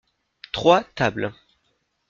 Trois tables.